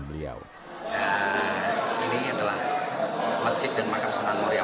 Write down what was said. beliau ini adalah masjid dan makam sunan muria